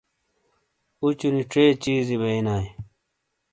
اوچو نی ڇے چیزی بینائ۔